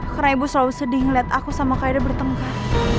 karena ibu selalu sedih ngeliat aku sama kaida bertengkar